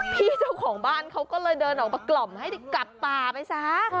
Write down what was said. เจ้าของบ้านเขาก็เลยเดินออกมากล่อมให้กลับป่าไปซะ